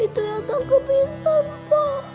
itu yang tangkap intan pak